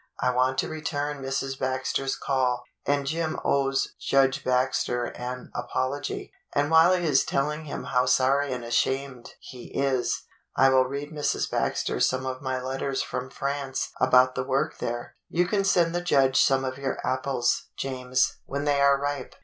I want to return Mrs. Baxter's call, and Jim owes Judge Baxter an apology, and while he is telling him how sorry and ashamed THE HOME COMING 125 he is, I will read Mrs. Baxter some of my letters from France about the work there. You can send the judge some of your apples, James, when they are ripe."